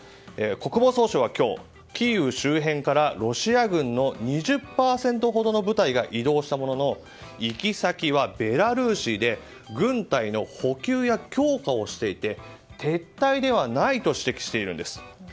国防総省は今日、キーウ周辺からロシア軍の２０％ほどの部隊が移動したものの行き先はベラルーシで軍隊の補給や強化をしていて撤退ではないと指摘しているんです。